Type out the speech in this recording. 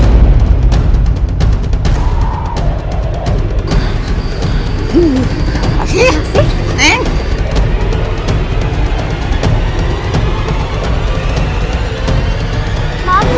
baby aku gak peduli untuk